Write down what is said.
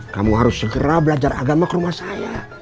kamu harus segera belajar agama ke rumah saya